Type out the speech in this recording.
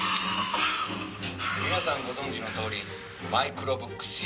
「皆さんご存じのとおりマイクロブックＣＥＯ